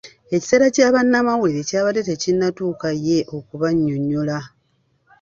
Ekiseera kya bannamawulire kyabadde tekinnatuuka ye okubanyonyola.